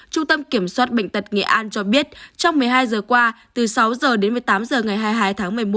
trung tâm kiểm soát bệnh tật nghệ an cho biết trong một mươi hai giờ qua từ sáu h đến một mươi tám h ngày hai mươi hai tháng một mươi một